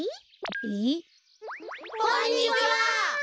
えっ？こんにちは。